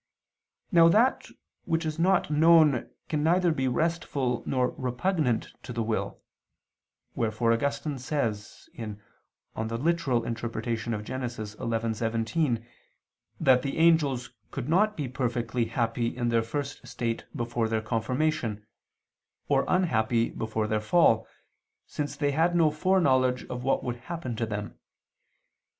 Now that which is not known can neither be restful nor repugnant to the will: wherefore Augustine says (Gen. ad lit. xi, 17) that the angels could not be perfectly happy in their first state before their confirmation, or unhappy before their fall, since they had no foreknowledge of what would happen to them.